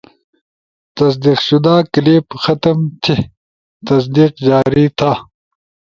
تصدیق شدہ کلپ ختم تھے؟ تصدیق جاری تھا